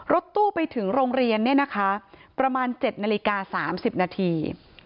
รถตู้ไปถึงโรงเรียนประมาณ๗นาฬิกา๓๐นาที